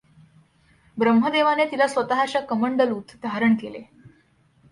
ब्रह्मदेवाने तिला स्वतःच्या कमंडलूत धारण केले.